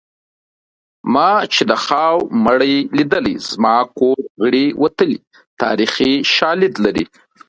ما چې د خاوو مړي لیدلي زما کور غړي وتلي تاریخي شالید لري